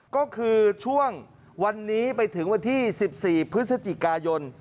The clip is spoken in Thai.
ก็คือช่วงวันนี้ไปถึงวันที่๑๔พฤศจิกายน